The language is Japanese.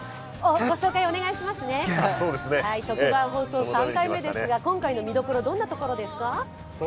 特番放送３回目ですが、今回の見どころはどんなところですか？